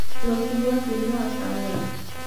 Lo sigo haciendo hasta ahora.